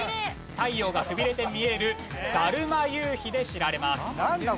太陽がくびれて見える「だるま夕日」で知られます。